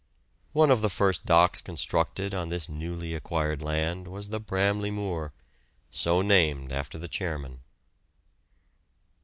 One of the first docks constructed on this newly acquired land was the Bramley Moore, so named after the chairman.